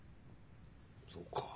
そうか。